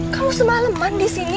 kamu semaleman disini